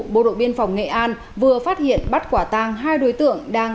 bộ đội biên phòng nghệ an vừa phát hiện bắt quả tang hai đối tượng đang